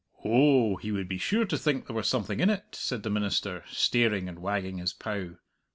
"Oh, he would be sure to think there was something in it," said the minister, staring, and wagging his pow.